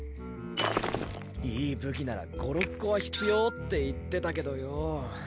いい武器なら５６個は必要って言ってたけどよ